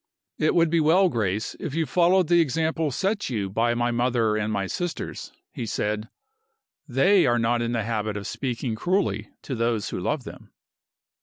"It would be well, Grace, if you followed the example set you by my mother and my sisters," he said. "They are not in the habit of speaking cruelly to those who love them."